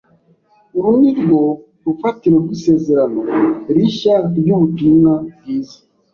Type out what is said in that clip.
Uru nirwo rufatiro rw’isezerano rishya ry’Ubutumwa bwiza.